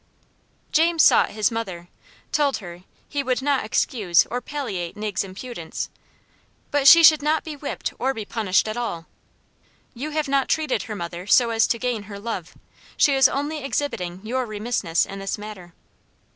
James sought his mother; told her he "would not excuse or palliate Nig's impudence; but she should not be whipped or be punished at all. You have not treated her, mother, so as to gain her love; she is only exhibiting your remissness in this matter."